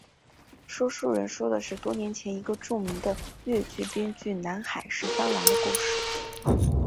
说书人说的是多年前一个著名的粤剧编剧南海十三郎的故事。